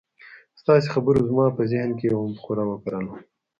ستاسې خبرو زما په ذهن کې يوه مفکوره وکرله.